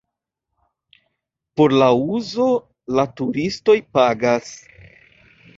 Por la uzo la turistoj pagas.